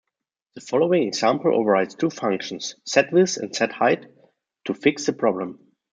The following example overrides two functions, Setwidth and SetHeight, to fix the problem.